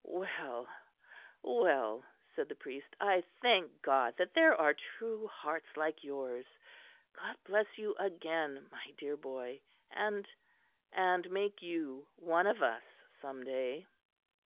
"Well, well," said the priest, "I thank God that there are true hearts like yours. God bless you again my dear boy and and make you one of us some day!"